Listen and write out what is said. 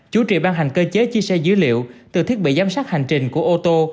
chú trị ban hành cơ chế chia sẻ dữ liệu từ thiết bị giám sát hành trình của ô tô